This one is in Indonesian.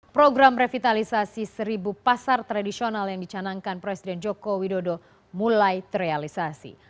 program revitalisasi seribu pasar tradisional yang dicanangkan presiden joko widodo mulai terrealisasi